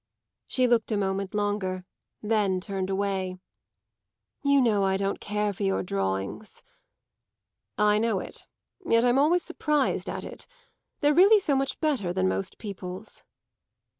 She looked a moment longer, then turned away. "You know I don't care for your drawings." "I know it, yet I'm always surprised at it. They're really so much better than most people's."